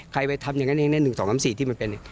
ใครได้ทำอย่างนั้นอย่างนั้น๑๒๓๔